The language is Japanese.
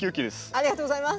ありがとうございます。